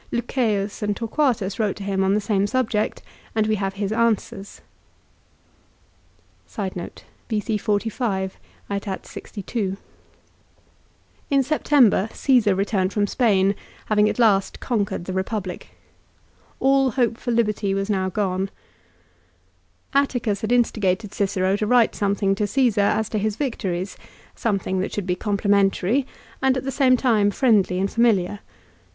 Lucceius and Torquatus wrote to him on the same subject, and we have his answers. In September Cassar returned from Spain having at last B _ 45 conquered the Eepublic. All hope for liberty was aetat. 62. now g 0ne> Atticus had instigated Cicero to write something to Caesar as to his victories, something that should be complimentary, and at the same time friendly and familiar.